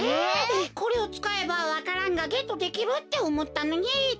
これをつかえばわか蘭がゲットできるっておもったのにってか！